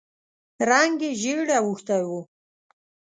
رنګ یې ژېړ اوښتی و.